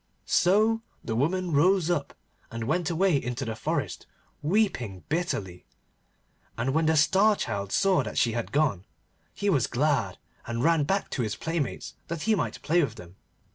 So the woman rose up, and went away into the forest weeping bitterly, and when the Star Child saw that she had gone, he was glad, and ran back to his playmates that he might play with them.